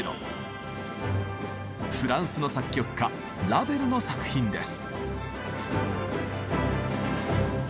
フランスの作曲家ラヴェルの作品です。